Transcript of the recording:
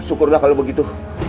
syukurlah kalau begitu